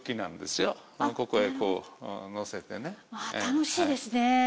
楽しいですね。